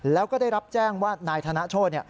แล้วก็ได้รับแจ้งว่านายธนโชธ